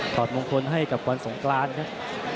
สอนหวงคนให้กับมันสงกรานครับ